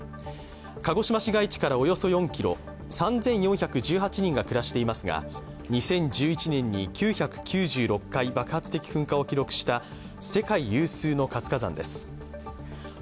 鹿児島市街地からおよそ４ｋｍ、３４１８人が暮らしていますが、２０１１年に９９６回、爆発的噴火を記録した世界有数の活火山です。